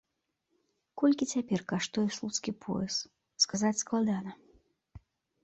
Колькі цяпер каштуе слуцкі пояс, сказаць складана.